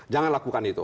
jangan lakukan itu